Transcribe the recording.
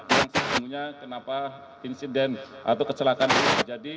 yang semuanya kenapa insiden atau kecelakaan ini terjadi